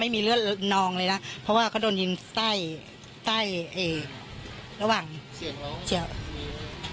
ไม่มีเลือดนองเลยนะเพราะว่าเขาโดนยิงใต้ใต้ไอ้ระหว่างเสียงเฉียว